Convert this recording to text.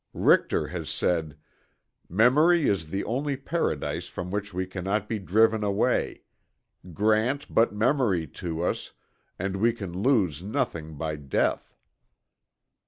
Richter has said: "Memory is the only paradise from which we cannot be driven away. Grant but memory to us, and we can lose nothing by death."